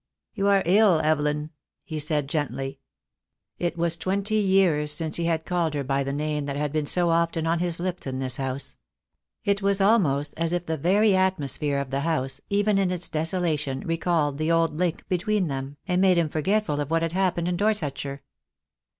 "You are ill, Evelyn," he said, gently. It was twenty years since he had called her by the name that had been so often on his lips in this house. It was almost as if the very atmosphere of the house, even in its desolation, recalled the old link between them, and made him forgetful of what had happened in Dor setshire.